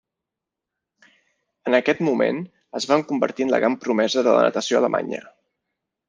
En aquest moment es va convertir en la gran promesa de la natació alemanya.